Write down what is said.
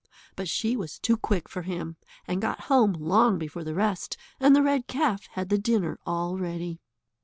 But she was too quick for him, and got home long before the rest, and the red calf had the dinner all ready.